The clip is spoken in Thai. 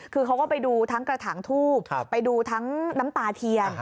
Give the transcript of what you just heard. คือเขาก็ไปดูทั้งกระถางทูบไปดูทั้งน้ำตาเทียน